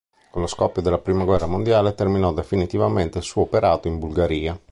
Con lo scoppio della prima guerra mondiale terminò definitivamente il suo operato in Bulgaria.